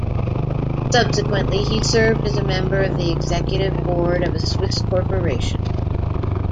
Subsequently he served as a Member of the Executive Board of a Swiss Corporation.